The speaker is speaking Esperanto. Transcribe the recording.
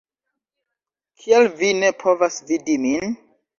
Kial vi ne povas vidi min?